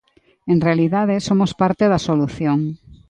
En realidade, somos parte da solución.